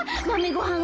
ごはん